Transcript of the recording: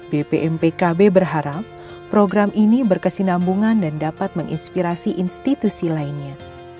bpm pkb berharap program ini berkesinambungan dan dapat menginspirasi institusi lainnya